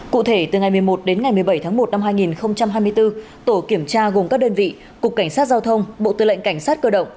cụ thể từ ngày một mươi một đến ngày một mươi bảy tháng một năm hai nghìn hai mươi bốn tổ kiểm tra gồm các đơn vị cục cảnh sát giao thông bộ tư lệnh cảnh sát cơ động